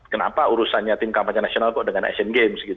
kenapa urusannya tim kampanye nasional kok dengan asian games gitu